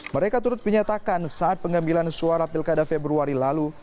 mereka turut menyatakan saat pengambilan suara pilkada februari lalu